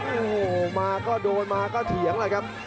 โอ้โหมาก็โดนมาก็เถียงแหละครับ